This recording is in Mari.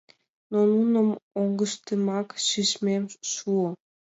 Но нуным оҥыштемак шижмем шуо.